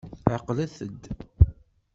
Ɛeqlet-d.